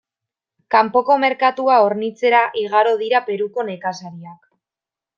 Kanpoko merkatua hornitzera igaro dira Peruko nekazariak.